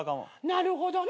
なるほどな！